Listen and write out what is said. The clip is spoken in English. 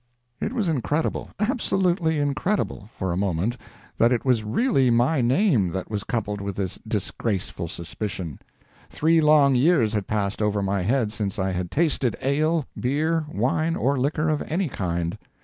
It was incredible, absolutely incredible, for a moment, that it was really my name that was coupled with this disgraceful suspicion. Three long years had passed over my head since I had tasted ale, beer, wine, or liquor of any kind.